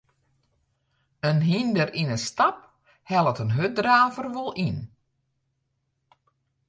In hynder yn 'e stap hellet in hurddraver wol yn.